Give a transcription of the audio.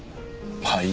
はい？